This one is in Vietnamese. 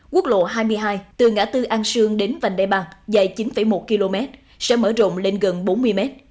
quốc lộ hai mươi hai từ ngã tư an sương đến vành đai ba dài chín một km sẽ mở rộng lên gần bốn mươi m